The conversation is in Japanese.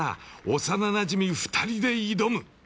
幼なじみ２人で挑む。